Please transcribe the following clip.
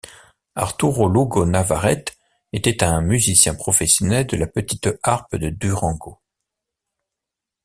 Arturo Lugo Navarrete était un musicien professionnel de la petite harpe de Durango.